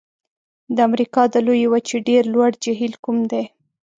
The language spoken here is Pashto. د امریکا د لویې وچې ډېر لوړ جهیل کوم دی؟